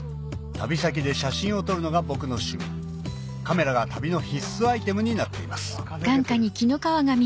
旅先で写真を撮るのが僕の趣味カメラが旅の必須アイテムになっています